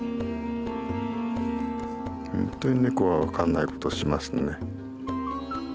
本当にネコは分かんないことしますね。